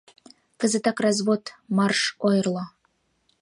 Кызытак развод — марш, ойырло!